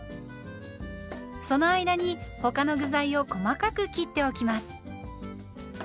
その間に他の具材を細かく切っておきます。